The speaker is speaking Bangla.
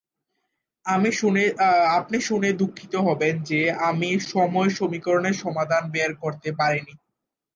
আপনি শুনে দুঃখিত হবেন যে আমি সময় সমীকরণের সমাধান বের করতে পারি নি।